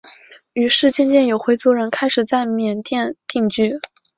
于是渐渐有回族人开始在缅甸定居。